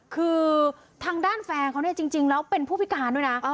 คือทางด้านแฟนเขาเนี่ยจริงแล้วเป็นผู้พิการด้วยนะ